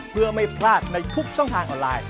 เพื่อไม่พลาดในทุกช่องทางออนไลน์